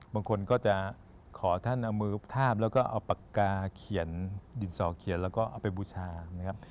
บางคนก็จะขอท่านเอามือทาบแล้วก็เอาปากกาเขียนดินสอเขียนแล้วก็เอาไปบูชานะครับ